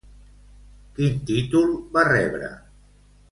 Quin títol va rebre?